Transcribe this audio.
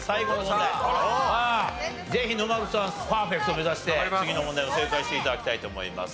まあぜひ野間口さんはパーフェクト目指して次の問題も正解して頂きたいと思います。